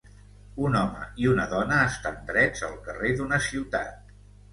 Un home i una dona estan drets al carrer d'una ciutat.